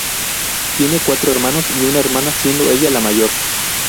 Tiene cuatro hermanos y una hermana, siendo ella la mayor.